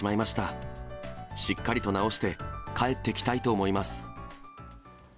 しっかりと治して、帰ってきたいと思います。